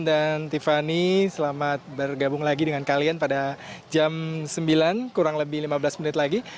tiffany selamat bergabung lagi dengan kalian pada jam sembilan kurang lebih lima belas menit lagi